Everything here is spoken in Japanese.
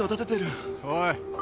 おい。